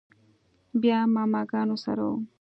بيا ماما ګانو سره و.